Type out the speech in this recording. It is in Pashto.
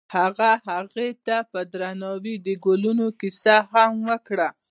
هغه هغې ته په درناوي د ګلونه کیسه هم وکړه.